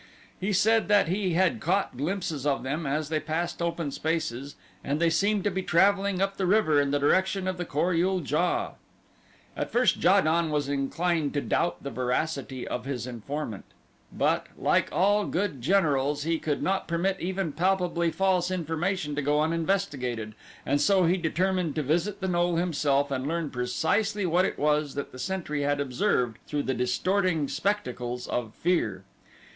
He said that he had caught glimpses of them, as they passed open spaces, and they seemed to be traveling up the river in the direction of the Kor ul JA. At first Ja don was inclined to doubt the veracity of his informant; but, like all good generals, he could not permit even palpably false information to go uninvestigated and so he determined to visit the knoll himself and learn precisely what it was that the sentry had observed through the distorting spectacles of fear.